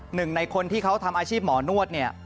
หนึ่งในคนที่เขาทำอาชีพหมอนวดเนี่ย